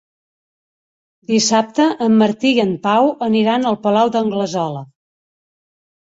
Dissabte en Martí i en Pau aniran al Palau d'Anglesola.